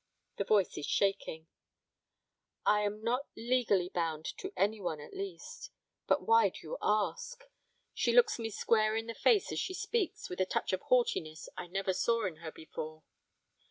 The voice is shaking. 'I am not legally bound to anyone, at least; but why do you ask?' she looks me square in the face as she speaks, with a touch of haughtiness I never saw in her before.